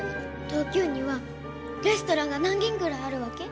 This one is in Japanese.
東京にはレストランが何軒ぐらいあるわけ？